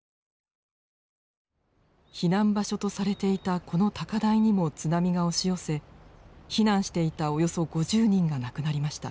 避難場所とされていたこの高台にも津波が押し寄せ避難していたおよそ５０人が亡くなりました。